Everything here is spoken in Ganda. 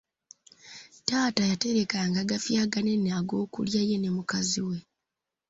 Taata yaterekanga agafi aganene ag'okulya ye ne mukazi we.